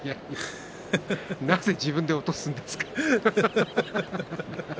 なぜ自分で落とすんですか。